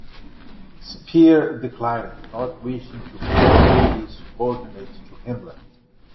Speer declined, not wishing to formally be subordinate to Himmler.